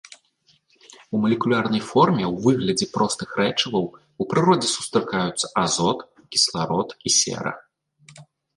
У малекулярнай форме ў выглядзе простых рэчываў у прыродзе сустракаюцца азот, кісларод і сера.